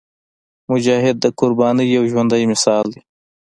مجاهد د قربانۍ یو ژوندی مثال دی.